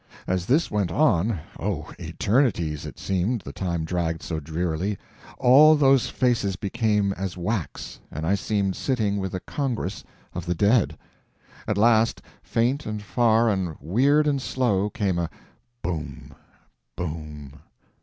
As this went on—oh, eternities it seemed, the time dragged so drearily—all those faces became as wax, and I seemed sitting with a congress of the dead. At last, faint and far and weird and slow, came a "boom!—boom!